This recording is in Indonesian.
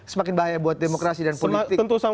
semakin bahaya buat demokrasi dan politik